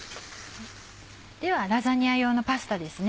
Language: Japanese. ではラザニア用のパスタですね。